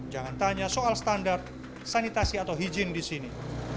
jangan tanya soal standar sanitasi atau hijin di sini